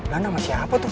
lan sama siapa tuh